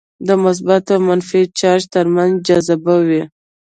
د مثبت او منفي چارج ترمنځ جذبه وي.